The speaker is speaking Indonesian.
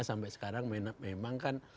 sampai sekarang memang kan